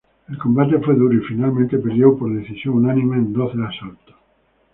El combate fue duro y finalmente perdió por decisión unánime en doce asaltos.